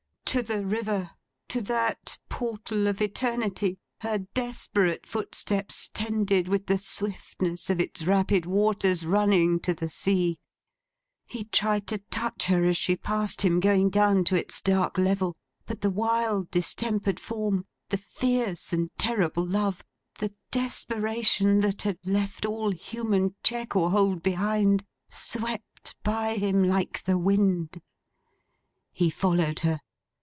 To the River! To that portal of Eternity, her desperate footsteps tended with the swiftness of its rapid waters running to the sea. He tried to touch her as she passed him, going down to its dark level: but, the wild distempered form, the fierce and terrible love, the desperation that had left all human check or hold behind, swept by him like the wind. He followed her.